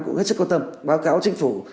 cũng hết sức quan tâm báo cáo chính phủ